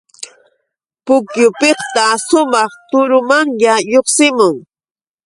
Pukyupiqta sumaq turumanya lluqsimun.